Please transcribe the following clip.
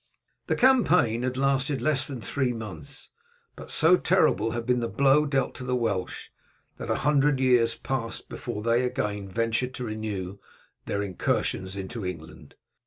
The campaign had lasted less than three months, but so terrible had been the blow dealt to the Welsh that a hundred years passed before they again ventured to renew their incursions into England.